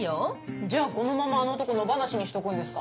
じゃあこのままあの男野放しにしとくんですか？